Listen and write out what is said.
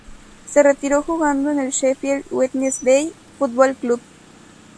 Se retiró jugando en el Sheffield Wednesday Football Club.